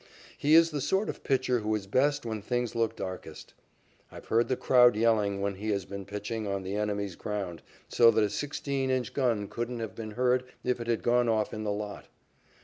He is the sort of pitcher who is best when things look darkest. I've heard the crowd yelling, when he has been pitching on the enemy's ground, so that a sixteen inch gun couldn't have been heard if it had gone off in the lot.